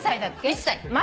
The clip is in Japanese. １歳。